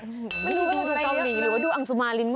รู้ไหมพี่ดูเขาหรีหรือดูอังสูมาริน